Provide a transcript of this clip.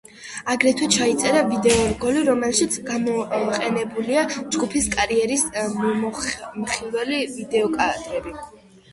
აგრეთვე ჩაიწერა ვიდეორგოლი, რომელშიც გამოყენებულია ჯგუფის კარიერის მიმომხილველი ვიდეოკადრები.